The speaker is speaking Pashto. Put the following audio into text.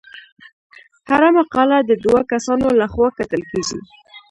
هره مقاله د دوه کسانو لخوا کتل کیږي.